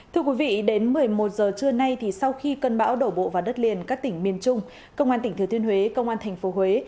thưa quý vị đến một mươi một giờ trưa nay thì sau khi cơn bão đổ bộ vào đất liền các tỉnh miền trung công an tỉnh thừa thiên huế công an tp huế